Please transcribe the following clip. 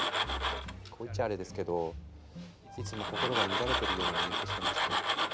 こう言っちゃアレですけどいつも心が乱れているようにお見受けしてまして。